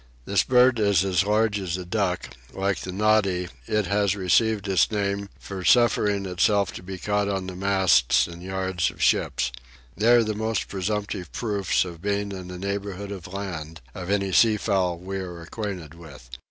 This bird is as large as a duck: like the noddy it has received its name from seamen for suffering itself to be caught on the masts and yards of ships. They are the most presumptive proofs of being in the neighbourhood of land of any seafowl we are acquainted with.